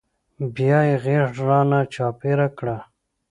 بيا يې غېږ رانه چاپېره کړه.